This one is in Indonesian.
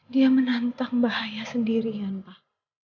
dia menantang bahaya sendirian pak